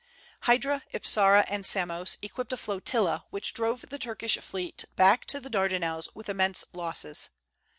Hydra, Ipsara, and Samos equipped a flotilla which drove the Turkish fleet back to the Dardanelles with immense losses.